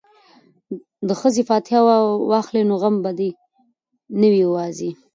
که ښځې فاتحه واخلي نو غم به نه وي یوازې.